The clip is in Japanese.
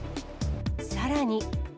さらに。